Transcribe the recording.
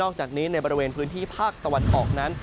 จากนี้ในบริเวณพื้นที่ภาคตะวันออกนั้น